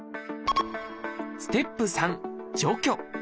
ステップ３「除去」。